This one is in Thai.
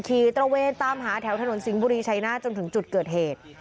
ตระเวนตามหาแถวถนนสิงห์บุรีชัยหน้าจนถึงจุดเกิดเหตุ